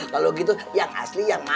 kalau gitu yang asli yang mana